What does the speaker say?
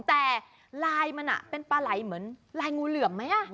แต่ลายมันเป็นปลาไหลเหมือนลายงูเหลือมไหม